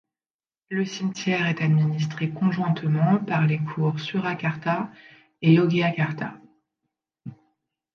Le cimetière est administré conjointement par les cours Surakarta et Yogyakarta.